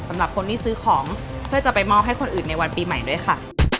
สำหรับคนที่ซื้อของเพื่อจะไปมอบให้คนอื่นในวันปีใหม่ด้วยค่ะ